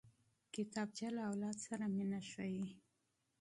کتابچه له اولاد سره مینه ښيي